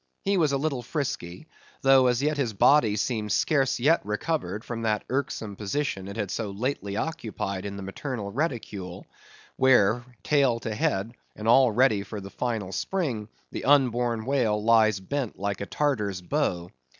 He was a little frisky; though as yet his body seemed scarce yet recovered from that irksome position it had so lately occupied in the maternal reticule; where, tail to head, and all ready for the final spring, the unborn whale lies bent like a Tartar's bow.